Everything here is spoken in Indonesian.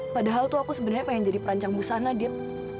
padahal tuh aku sebenarnya pengen jadi perancang busana dit